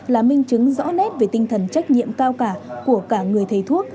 là minh chứng rõ nét về tinh thần trách nhiệm cao cả của cả người thầy thuốc